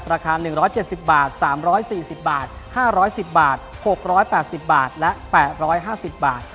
ราคา๑๗๐บาท๓๔๐บาท๕๑๐บาท๖๘๐บาทและ๘๕๐บาท